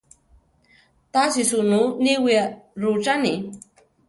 Tási sunú niwía rucháni.